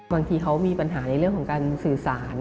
บางทีเขามีปัญหาในเรื่องของการสื่อสาร